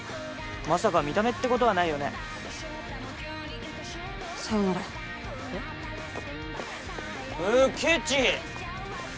まさか見た目ってことはないよねさようならえケチ！